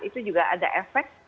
itu juga ada efek